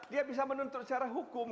dia bisa menuntut secara hukum